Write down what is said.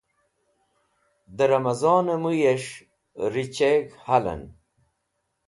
De Ramazone Muyes̃h Richeg̃h Halen